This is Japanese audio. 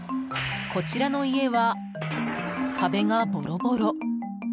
こちらの家は、壁がボロボロ。